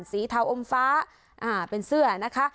เทาอมฟ้าเป็นเสื้อนะคะ